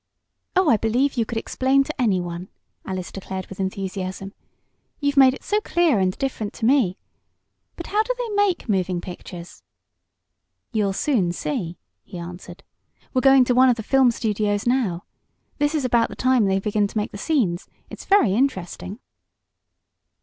"Oh, I believe you could explain to anyone!" Alice declared with enthusiasm. "You've made it so clear and different to me. But how do they make moving pictures?" "You'll soon see," he answered. "We're going to one of the film studios now. This is about the time they begin to make the scenes. It's very interesting."